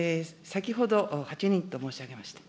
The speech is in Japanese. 先ほど８人と申し上げました。